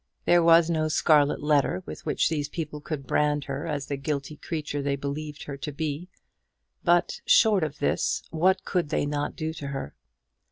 There was no scarlet letter with which these people could brand her as the guilty creature they believed her to be; but short of this, what could they not do to her?